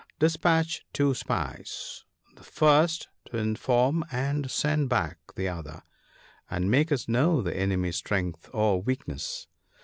" Despatch two spies — the first to inform and send back the other, and make us know the enemy's strength or weakness.